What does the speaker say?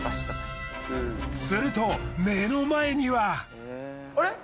すると目の前には。